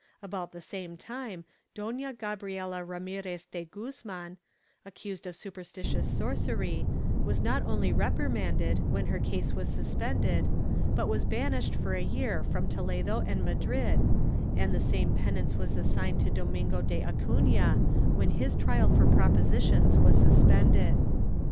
About the same time, Dofia Gabriela Ramirez de Guzman, accused of superstitious sorcery, was not only reprimanded, when her case was suspended, but was banished for a year from Toledo and Madrid, and the same penance was assigned to Domingo de Acuiia, when his trial for propositions was suspended.